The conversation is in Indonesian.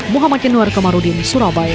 muhammad kinwar kemarudin surabaya